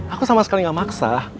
aku sama sekali gak maksa